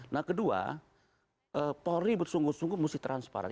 nah kedua polri bersungguh sungguh mesti transparan